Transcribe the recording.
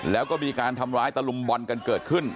แล้วก็มีการทำร้ายตะลุมบอลกันเกิดขึ้น